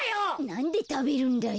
なんでたべるんだよ。